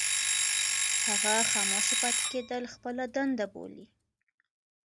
هغه خاموشه پاتې کېدل خپله دنده بولي.